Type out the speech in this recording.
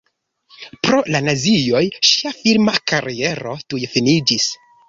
Pro la nazioj ŝia filma kariero tuj finiĝis.